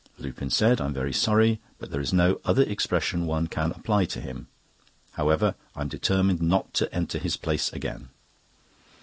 Lupin said: "I'm very sorry, but there is no other expression one can apply to him. However, I'm determined not to enter his place again."